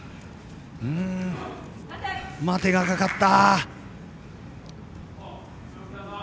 待てがかかった。